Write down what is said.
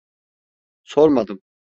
Sormadım.